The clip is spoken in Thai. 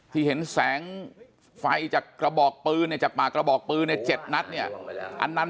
ที่เห็นแสงไฟจากกระบอกปืนจากมากระบอกปืนในเจ็ดนัดนั้น